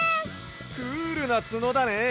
クールなつのだね！